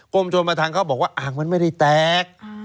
กรมชนประธานเขาบอกว่าอ่างมันไม่ได้แตก